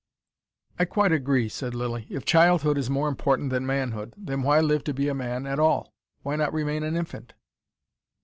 "I quite agree," said Lilly. "If childhood is more important than manhood, then why live to be a man at all? Why not remain an infant?"